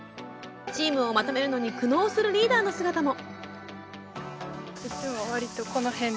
チームをまとめるのに苦悩するリーダーの姿も。